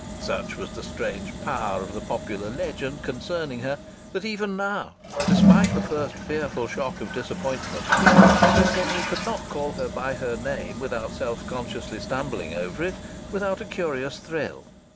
Such was the strange power of the popular legend concerning her that even now, despite the first fearful shock of disappointment, Edward Henry could not call her by her name without self consciously stumbling over it, without a curious thrill.